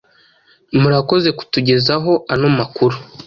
Murakoze kutugezaho ano makuru.